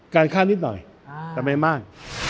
การค่านิดหน่อยแต่ไม่มาก